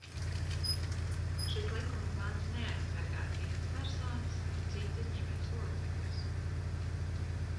Šis likuma pants neaizsargā citas personas un citus ģimenes locekļus.